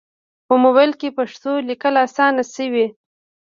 په موبایل کې پښتو لیکل اسانه شوي.